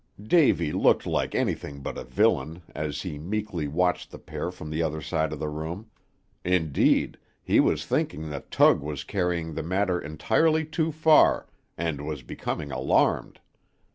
Davy looked like anything but a villain as he meekly watched the pair from the other side of the room; indeed, he was thinking that Tug was carrying the matter entirely too far, and was becoming alarmed.